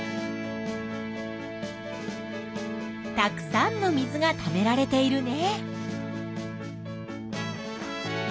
たくさんの水がためられているね。